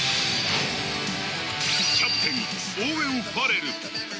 キャプテン、オーウェン・ファレル。